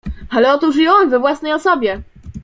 "Ale otóż i on we własnej osobie!"